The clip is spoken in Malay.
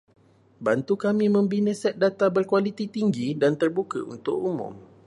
Bantu kami membina set data berkualiti tinggi dan terbuka untuk umum